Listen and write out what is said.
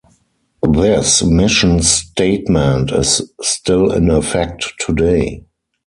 This mission statement is still in effect today.